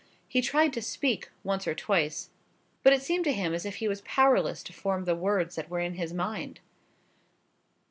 He tried to speak once or twice, but it seemed to him as if he was powerless to form the words that were in his mind.